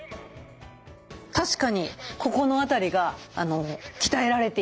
確かにここの辺りが鍛えられている感じがします。